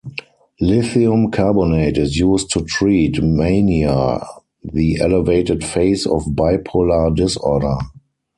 Lithium carbonate is used to treat mania, the elevated phase of bipolar disorder.